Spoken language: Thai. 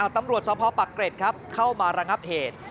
ตำรวจเศร้าพ่อปะเกรตครับเข้ามาระงับเหตุ